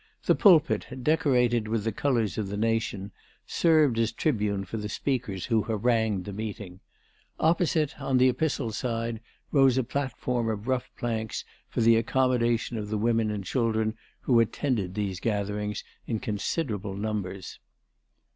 The pulpit, decorated with the colours of the Nation, served as tribune for the speakers who harangued the meeting. Opposite, on the Epistle side, rose a platform of rough planks, for the accommodation of the women and children, who attended these gatherings in considerable numbers.